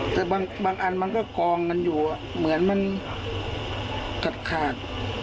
แต่บางอันมันก็กองกันอยู่เหมือนมันขาด